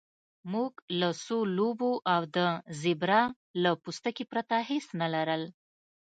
موږ له څو لوبو او د زیبرا له پوستکي پرته هیڅ نه لرل